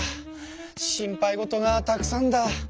心配事がたくさんだ。